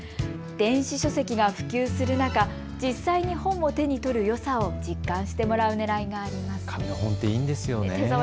電子書籍が普及する中、実際に本を手に取るよさを実感してもらうねらいがあります。